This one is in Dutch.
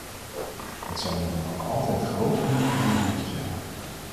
Het zal u dan ook altijd groot genoegen doen hier te zijn!